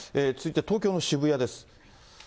続いて、東京の渋谷です。